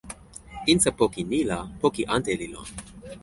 insa poki ni la poki ante li lon.